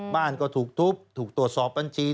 บ้านก็ถูกทุบถูกตรวจสอบบัญชี